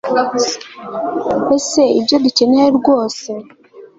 ese ibyo dukeneye rwose